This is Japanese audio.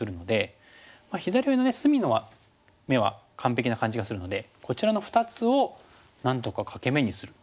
左上の隅の眼は完璧な感じがするのでこちらの２つをなんとか欠け眼にする。